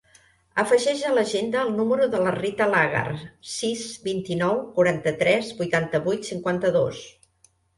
Afegeix a l'agenda el número de la Rita Lagar: sis, vint-i-nou, quaranta-tres, vuitanta-vuit, cinquanta-dos.